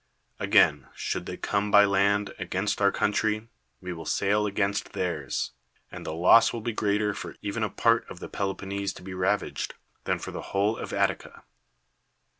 Again, should they come by land against our country, we will sail against theirs; and the loss will be greater for even a part of the Pelo ponnese to be ravaged, than for the whole of Attica.